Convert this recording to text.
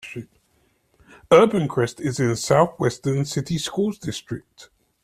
Urbancrest is in the South-Western City Schools District.